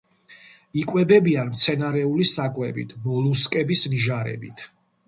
იკვებებიან მცენარეული საკვებით, მოლუსკების ნიჟარებით.